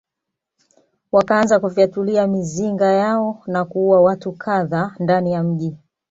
Wakaanza kufyatulia mizinga yao na kuua watu kadhaa ndani ya mji